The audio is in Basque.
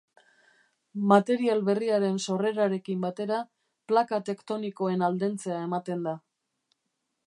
Material berriaren sorrerarekin batera plaka tektonikoen aldentzea ematen da.